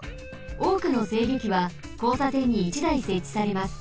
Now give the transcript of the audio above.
おおくの制御機はこうさてんに１だいせっちされます。